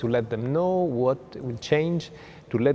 và để cho mọi người biết